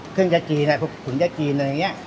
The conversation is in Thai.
เครื่องยาจีนเครื่องยาจีนอะไรอย่างนี้